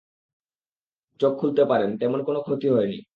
চোখ খুলতে পারেন, তেমন কোনো ক্ষতি হয়নি।